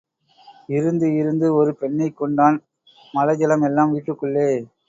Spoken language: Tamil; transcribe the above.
இருந்து இருந்து ஒரு பெண்ணைக் கொண்டான் மலஜலம் எல்லாம் வீட்டுக்குள்ளே.